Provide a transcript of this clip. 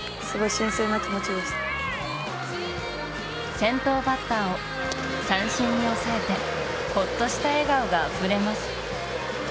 先頭バッターを三振に抑えてほっとした笑顔があふれます。